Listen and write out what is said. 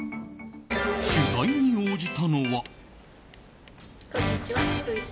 取材に応じたのは。